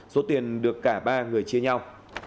số tiền được cả ba người chia nhau